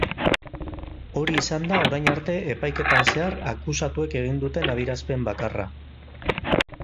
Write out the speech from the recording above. Hori izan da orain arte epaiketan zehar akusatuek egin duten adierazpen bakarra.